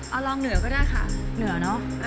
เอาลองเหนือก็ได้ค่ะเหนือเนอะ